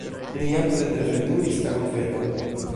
Ni jam preterveturis la golfeton.